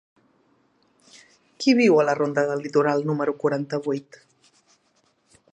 Qui viu a la ronda del Litoral número quaranta-vuit?